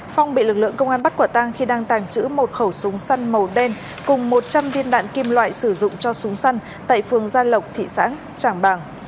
phong bị lực lượng công an bắt quả tang khi đang tàng trữ một khẩu súng săn màu đen cùng một trăm linh viên đạn kim loại sử dụng cho súng săn tại phường gia lộc thị xã trảng bàng